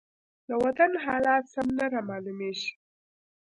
د وطن حالات سم نه رامالومېږي.